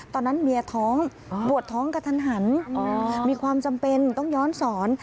ตอนนั้นเมียท้องปวดท้องกระทันหันมีความจำเป็นต้องย้อนสอน